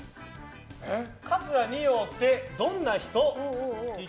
桂二葉ってどんな人？